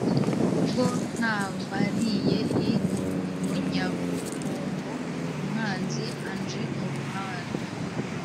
ubwo ntabariye i bunyabungo umwanzi anje mu ruhando